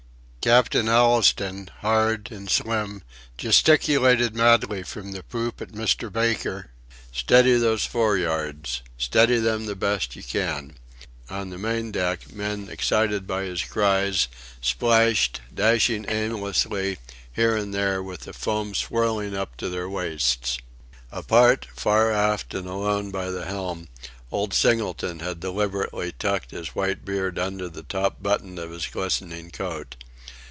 Captain Allistoun, hard and slim, gesticulated madly from the poop at Mr. Baker: "Steady these fore yards! Steady them the best you can!" On the main deck, men excited by his cries, splashed, dashing aimlessly, here and there with the foam swirling up to their waists. Apart, far aft, and alone by the helm, old Singleton had deliberately tucked his white beard under the top button of his glistening coat.